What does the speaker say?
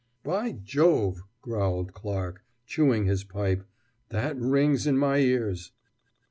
"By Jove!" growled Clarke, chewing his pipe, "that rings in my ears!"